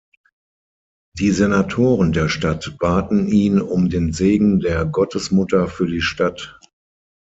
Die Senatoren der Stadt baten ihn um den Segen der Gottesmutter für die Stadt.